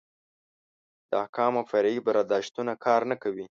د احکامو فرعي برداشتونه کار نه کوي.